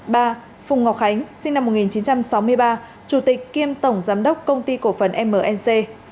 ba phùng ngọc khánh sinh năm một nghìn chín trăm sáu mươi ba chủ tịch kiêm tổng giám đốc công ty cổ phần mnc